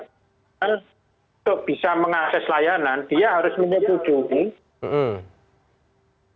untuk bisa mengakses layanan dia harus menuju ini